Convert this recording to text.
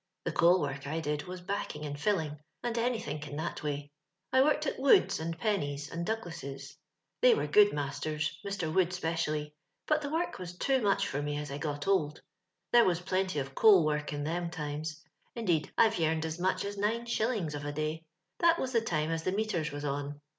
The coal w(.rk 1 did was backing and filling, and ajiythmk in til at way. 1 worked at "Wood's, and I'enny's, and Douglas's. They were good masters, Mr. Wood 'specially ; but the work was too much for me as I got old. There was plenty of cool work in them times ; indeed, I've yearned as much as nine shillings of a day. That was the time as the meters was on.